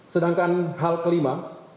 sedangkan hal kelima